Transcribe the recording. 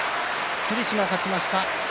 霧島、勝ちました。